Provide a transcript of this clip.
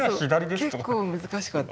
結構難しかった。